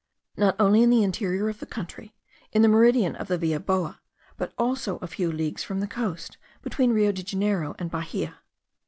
not only in the interior of the country, in the meridian of Villa Boa, but also at a few leagues from the coast, between Rio Janeiro and Bahia.